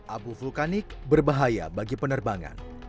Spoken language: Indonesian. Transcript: abu vulkanik berbahaya bagi penerbangan